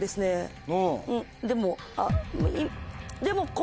でも。